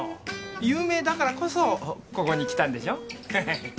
有名だからこそここに来たんでしょ？ハハハ。